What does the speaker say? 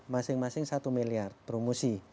masing masing satu miliar promosi